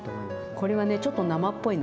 これはねちょっと生っぽいのだから。